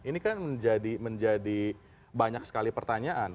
ini kan menjadi banyak sekali pertanyaan